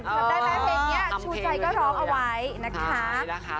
ถ้าได้แม่เพลงเนี่ยชูใจก็ท้องเอาไว้นะค่ะ